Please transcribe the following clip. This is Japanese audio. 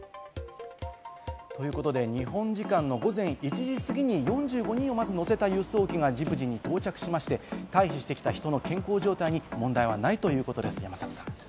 日本時間の午前１時過ぎに４５人をまず乗せた輸送機がジブチに到着しまして、退避してきた人の健康状態に問題はないということです、山里さん。